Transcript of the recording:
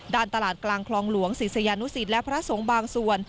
ตลาดกลางคลองหลวงศิษยานุสิตและพระสงฆ์บางส่วน